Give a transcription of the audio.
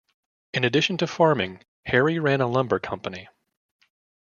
In addition to farming, Harry ran a lumber company.